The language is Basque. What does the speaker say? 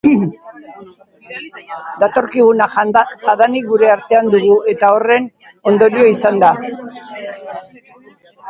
Datorkiguna jadanik gure artean dugu, edo horren ondorio izango da.